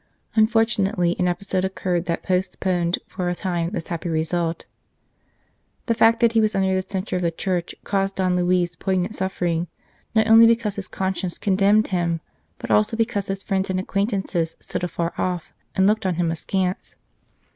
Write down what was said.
Unfortunately, an episode occurred that post poned for a time this happy result. The fact that he was under the censure of the Church caused Don Luis . poignant suffering, not only because his conscience condemned him, but also because his friends and acquaintances stood afar off, and looked on him askance.